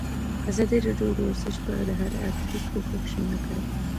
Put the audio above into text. ازادي راډیو د ورزش په اړه د هر اړخیز پوښښ ژمنه کړې.